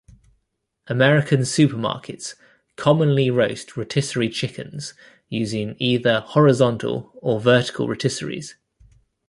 American supermarkets commonly roast rotisserie chickens using either horizontal or vertical rotisseries.